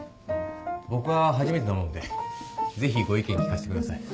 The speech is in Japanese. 僕は初めてなもんでぜひご意見聞かせてください。